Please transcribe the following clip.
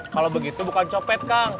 kalau begitu bukan copet kang